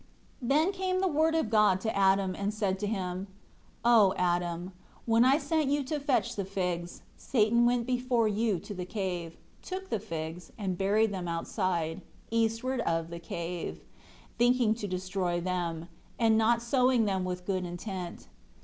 8 Then came the Word of God to Adam, and said to him, "O Adam, when I sent you to fetch the figs, Satan went before you to the cave, took the figs, and buried them outside, eastward of the cave, thinking to destroy them; and not sowing them with good intent.